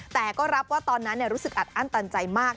แต่ก็รับว่าตอนนั้นรู้สึกอัดอั้นตันใจมาก